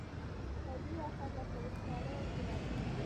طبیعي آفات لکه وچکالي او سیلابونه.